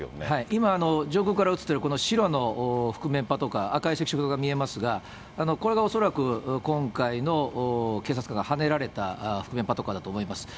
今、上空から映ってるこの白の覆面パトカー、赤い赤色灯が見えますが、これが恐らく、今回の警察官がはねられた覆面パトカーだと思います。